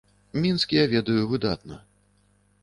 Мінск я ведаю выдатна.